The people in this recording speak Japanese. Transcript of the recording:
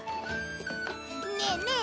ねえねえ